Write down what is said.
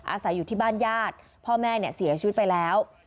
อาศัยอยู่ที่บ้านญาติพ่อแม่เนี่ยเสียชีวิตไปแล้ว